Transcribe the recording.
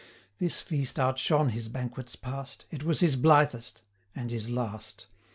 This feast outshone his banquets past; It was his blithest, and his last.